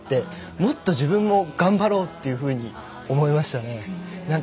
もっと自分も頑張ろうっていうふうに思いましたね。